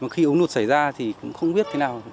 khi ống nụt xảy ra thì không biết